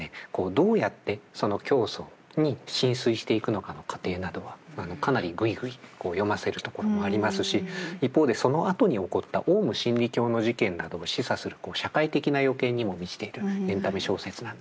どうやってその教祖に心酔していくのかの過程などはかなりぐいぐい読ませるところもありますし一方でそのあとに起こったオウム真理教の事件などを示唆する社会的な予見にも満ちているエンタメ小説なんですね。